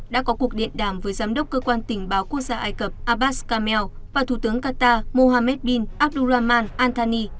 đã có cuộc điện đàm với giám đốc cơ quan tình báo quốc gia ai cập abbas kamel và thủ tướng qatar mohammed bin abdurrahman antani